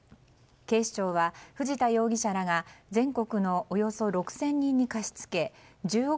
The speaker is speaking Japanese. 警視庁は藤田容疑者らが全国のおよそ６０００人に貸し付け１０億